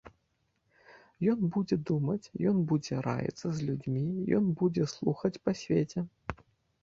Ён будзе думаць, ён будзе раіцца з людзьмі, ён будзе слухаць па свеце.